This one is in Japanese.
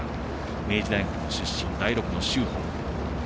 明治大学の出身大六野秀畝。